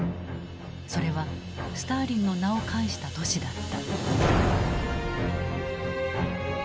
それはスターリンの名を冠した都市だった。